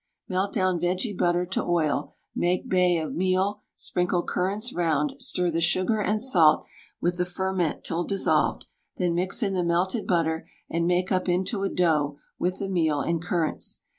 Melt down vege butter to oil, make bay of meal, sprinkle currants round, stir the sugar and salt with the ferment till dissolved, then mix in the melted butter and make up into a dough with the meal and currants.